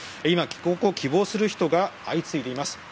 今、帰国を希望する人が相次いでいます。